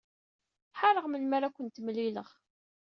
Ḥareɣ melmi ara kent-mlileɣ.